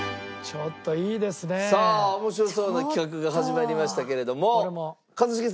さあ面白そうな企画が始まりましたけれども。